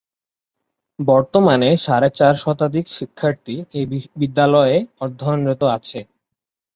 বর্তমানে সাড়ে চার শতাধিক শিক্ষার্থী এ বিদ্যালয়ে অধ্যয়নরত আছে।